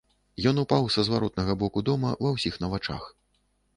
Ён упаў са зваротнага боку дома ва ўсіх на вачах.